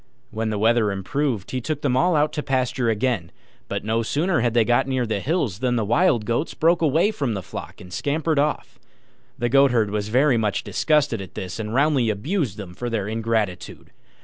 When the weather improved, he took them all out to pasture again; but no sooner had they got near the hills than the Wild Goats broke away from the flock and scampered off. The Goatherd was very much disgusted at this, and roundly abused them for their ingratitude.